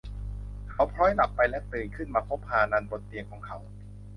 เขาผล็อยหลับไปและตื่นขึ้นมาพบฮานันบนเตียงของเขา